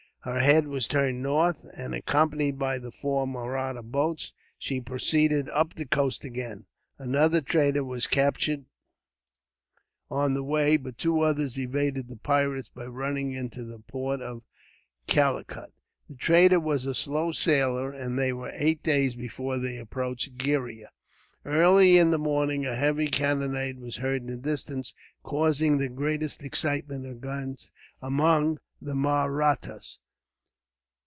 Her head was turned north, and, accompanied by the four Mahratta boats, she proceeded up the coast again. Another trader was captured on the way, but two others evaded the pirates, by running into the port of Calicut. The trader was a slow sailer, and they were eight days before they approached Gheriah. Early in the morning a heavy cannonade was heard in the distance, causing the greatest excitement among the Mahrattas.